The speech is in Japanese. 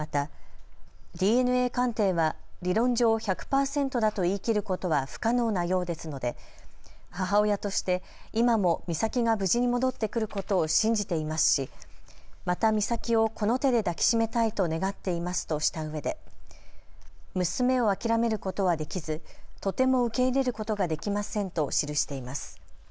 またＤＮＡ鑑定は理論上１００％だと言い切ることは不可能なようですので母親として今も美咲が無事に戻ってくることを信じていますしまた美咲をこの手で抱きしめたいと願っていますとしたうえで娘を諦めることはできず、とても受け入れることができませんと記しています。